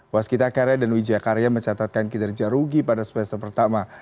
waskita karya dan wijaya karya mencatatkan kinerja rugi pada semester pertama